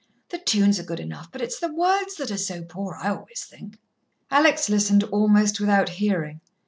The tunes are good enough, but it's the words that are so poor, I always think." Alex listened almost without hearing.